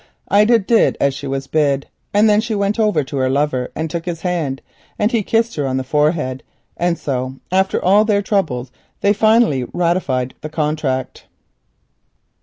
Ida did as she was bid. Then she went over to her lover and took him by his hand, and he kissed her on the forehead. And thus after all their troubles they finally ratified the contract.